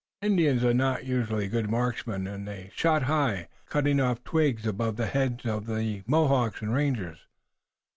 Indians are not usually good marksmen, and they shot high, cutting off twigs above the heads of the Mohawks and rangers."